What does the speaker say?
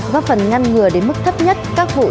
góp phần ngăn ngừa đến mức thấp nhất các vụ